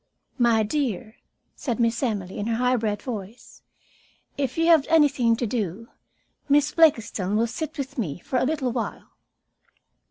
"My dear," said Miss Emily, in her high bred voice, "if you have anything to do, Miss Blakiston will sit with me for a little while."